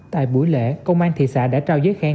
tại buổi lễ công an thị xã đã trao giấy khen